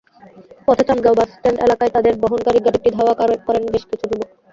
পথে চান্দগাঁও বাসস্ট্যান্ড এলাকায় তাঁদের বহনকারী গাড়িটি ধাওয়া করেন বেশ কিছু যুবক।